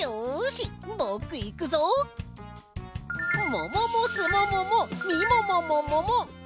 もももすもももみももももも！